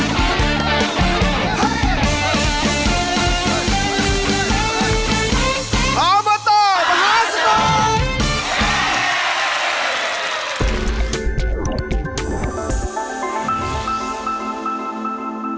โปรดติดตามตอนต่อไป